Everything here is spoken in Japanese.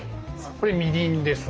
これみりんです。